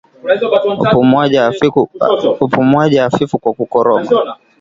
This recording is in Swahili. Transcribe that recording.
Upumuaji hafifu kwa kukoroma